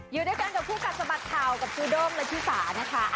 อยู่ด้วยกันกับคู่กัดสะบัดข่าวกับจูด้งและชิสานะคะ